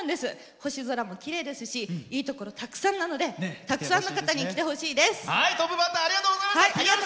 星空もきれいですしいいところ、たくさんなのでたくさんの方に来てほしいです。